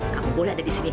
kamu boleh ada disini